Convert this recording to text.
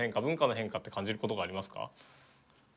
文化の変化って感じることがありますか？